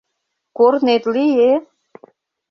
Корнет лие?